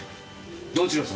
どちら様？